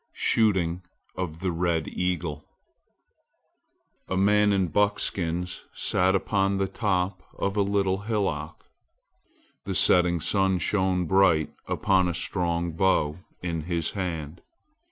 SHOOTING OF THE RED EAGLE A MAN in buckskins sat upon the top of a little hillock. The setting sun shone bright upon a strong bow in his hand.